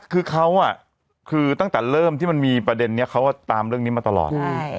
คือเขาคือตั้งแต่เริ่มที่มันมีประเด็นนี้เขาก็ตามเรื่องนี้มาตลอด